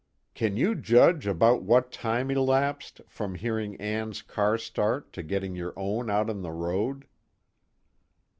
_ "Can you judge about what time elapsed, from hearing Ann's car start to getting your own out on the road?"